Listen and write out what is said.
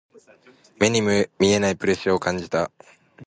目に見えないプレッシャーを感じた。